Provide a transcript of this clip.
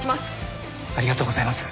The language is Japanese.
ありがとうございます。